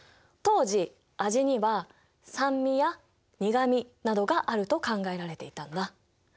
当時味には酸味や苦味などがあると考えられていたんだ。